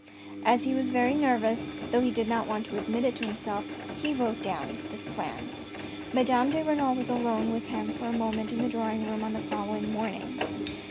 As he was very nervous, though he did not admit it to him self, he wrote down this plan. Madame de Renal was alone with him for a moment in the drawing room on the following morning.